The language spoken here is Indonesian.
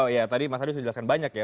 ya tadi mas adi sudah jelaskan banyak ya